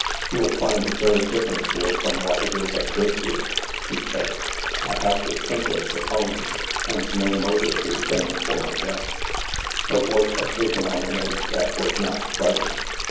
" You'll find it very different here from what it is at Gertrude's," she said. " I have the simplest of homes, and no motor to send for my guests." Her voice had taken on an edge that was not pleasant.